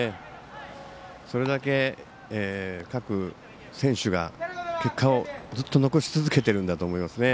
それだけ各選手が結果を残し続けているんだと思いますね。